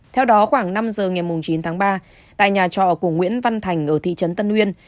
theo đó khoảng năm giờ ngày chín tháng ba tại nhà trọ của nguyễn văn thành ở thị trấn tân uyên